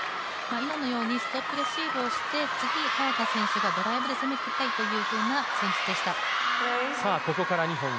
今のようにストップレシーブをして、次、早田選手がドライブで攻めたいという場面でした。